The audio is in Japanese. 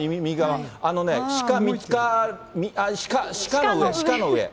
あのね、鹿、鹿の上、鹿の上。